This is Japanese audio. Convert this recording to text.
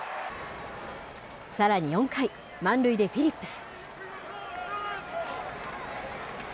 さらに４回満塁でフィリップス。